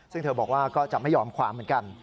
ซึ่งเธอบอกว่าก็จะไม่ยอมความเหมือนกัน